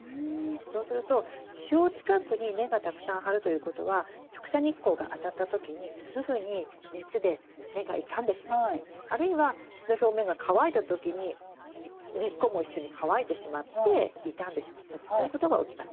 そうすると地表近くに根がたくさん張るということは直射日光があたった時にすぐに熱で根が傷んでしまったりあるいは土の表面が乾いた時に根っこも一緒に乾いてしまって傷んでしまったりということが起きます。